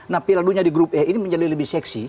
nah piala dunia di grup e ini menjadi lebih seksi